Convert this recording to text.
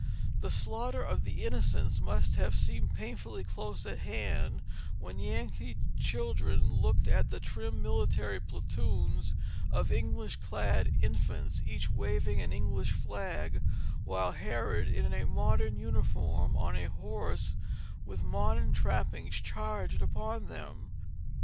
The Slaughter of the Innocents must have seemed painfully close at hand when Yankee children looked at the trim military platoons of English clad infants, each waving an English flag; while Herod, in a modern uniform, on a horse with modern trappings, charged upon them.